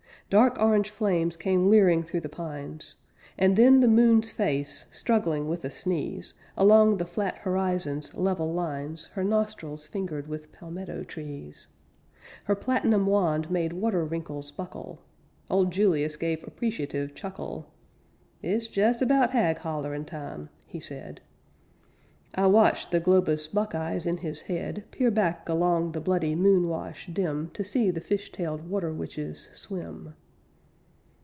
Dark orange flames came leering through the pines, And then the moon's face, struggling with a sneeze, Along the flat horizon's level lines Her nostrils fingered with palmetto trees. Her platinum wand made water wrinkles buckle; Old Julius gave appreciative chuckle; "It's jes about hag hollerin' time," he said. I watched the globous buckeyes in his head Peer back along the bloody moon wash dim To see the fish tailed water witches swim.